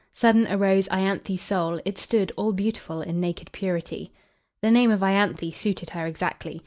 "Sudden arose Ianthe's soul; it stood all beautiful in naked purity." The name of Ianthe suited her exactly.